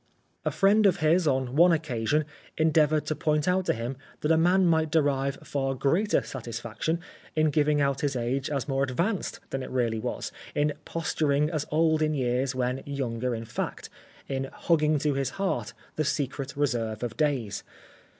A friend of his, on one occasion, endeavoured to point out 4 The Life of Oscar Wilde to him that a man might derive far greater satisfaction in giving out his age as more ad vanced than it really was, in posturing as old in years while younger in fact, in hugging to his heart the secret reserve of days.